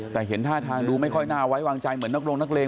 แต่เห็นท่าทางดูไม่ค่อยน่าไว้วางใจเหมือนนักลงนักเลง